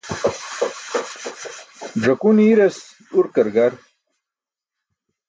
Ẓakun i̇iras urkar gar.